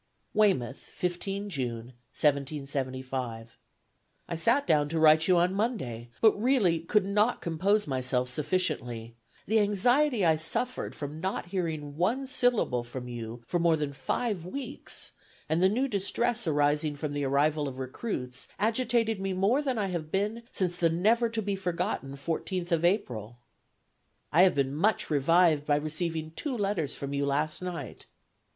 ..." "Weymouth, 15 June, 1775. "I sat down to write to you on Monday, but really could not compose myself sufficiently; the anxiety I suffered from not hearing one syllable from you for more than five weeks, and the new distress arising from the arrival of recruits, agitated me more than I have been since the never to be forgotten 14th of April. I have been much revived by receiving two letters from you last night.